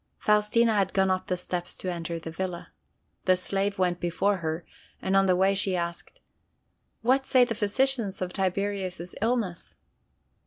Faustina had gone up the steps to enter the villa. The slave went before her, and on the way she asked: "What say the physicians of Tiberius' illness?"